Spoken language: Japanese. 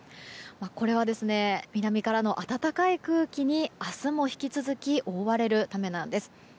これは南からの暖かい空気に明日も引き続き覆われるためなんです。